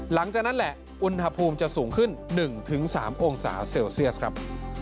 หลังจากนั้นแหละอุณหภูมิจะสูงขึ้น๑๓องศาเซลเซียสครับ